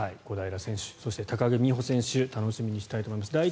小平選手そして高木美帆選手楽しみにしたいと思います。